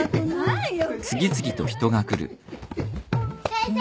先生。